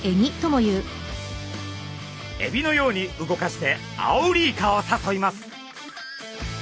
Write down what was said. エビのように動かしてアオリイカをさそいます。